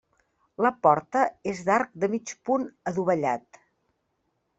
La porta és d'arc de mig punt adovellat.